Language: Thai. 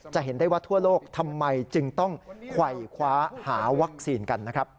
เห็นได้ว่าทั่วโลกทำไมจึงต้องไขวคว้าหาวัคซีนกันนะครับ